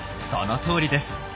そのとおりです。